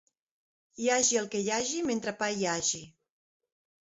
Hi hagi el que hi hagi, mentre pa hi hagi.